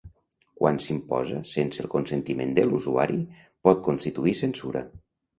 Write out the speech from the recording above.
Quan s'imposa sense el consentiment de l'usuari, pot constituir censura.